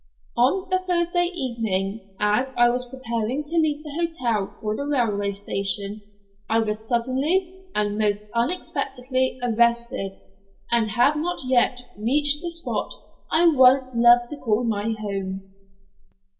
On the Thursday evening, as I was preparing to leave the hotel for the railway station, I was suddenly and most unexpectedly arrested, and have not yet reached the spot I once loved to call my Home.